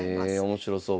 面白そう。